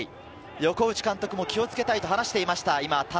横内監督も気を付けなければと話していました。